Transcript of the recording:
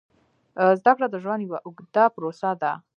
زده کړه د ژوند یوه اوږده پروسه ده.